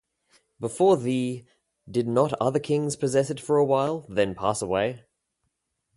Before thee, did not other kings possess it for a while, then pass away?